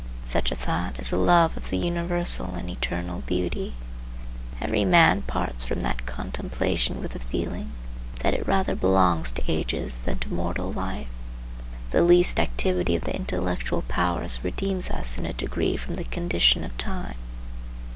Such a thought is the love of the universal and eternal beauty. Every man parts from that contemplation with the feeling that it rather belongs to ages than to mortal life. The least activity of the intellectual powers redeems us in a degree from the conditions of time.